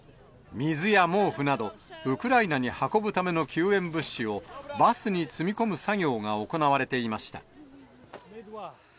水や毛布など、ウクライナに運ぶための救援物資を、バスに積み込む作業が行われていました。